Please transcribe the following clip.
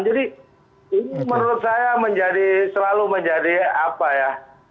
jadi ini menurut saya menjadi selalu menjadi apa ya